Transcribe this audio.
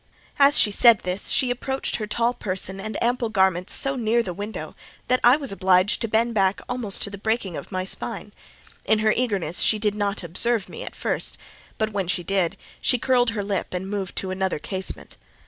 As she said this, she approached her tall person and ample garments so near the window, that I was obliged to bend back almost to the breaking of my spine: in her eagerness she did not observe me at first, but when she did, she curled her lip and moved to another casement.